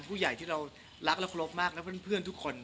ผู้ใหญ่ที่เรารักและเคารพมากและเพื่อนทุกคน